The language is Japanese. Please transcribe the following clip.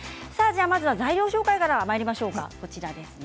まず材料紹介からまいりましょうか。